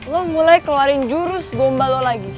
lo mulai keluarin jurus gomba lo lagi